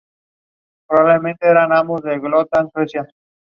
La capital del distrito es la ciudad histórica de Muri.